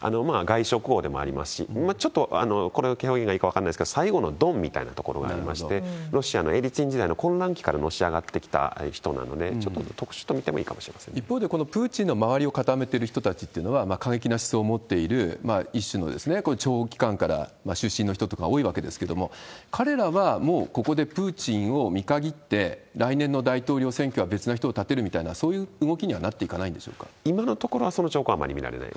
の人でもありますし、この言い方がいいか分かりませんけれども、最後のドンみたいなところもありまして、ロシアのエリツィン時代の混乱期からのし上がってきた人なので、ちょっと特殊と見てもい一方で、このプーチンの周りを固めている人たちっていうのは、過激な思想を持っている、一種の諜報機関から出身の人とか多いわけですけれども、彼らはもうここでプーチンを見限って、来年の大統領選挙は別な人を立てるみたいな、そういう動きにはな今のところはその兆候はあまり見られない。